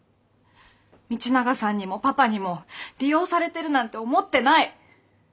道永さんにもパパにも利用されてるなんて思ってない。